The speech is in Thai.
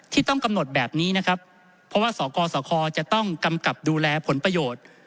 ต้องกำหนดแบบนี้นะครับเพราะว่าสกสคจะต้องกำกับดูแลผลประโยชน์